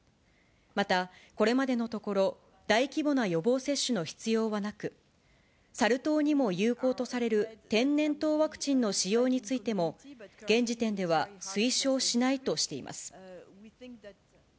また、これまでのところ、大規模な予防接種の必要はなく、サル痘にも有効とされる天然痘ワクチンの使用についても、現時点では推奨しないとしています。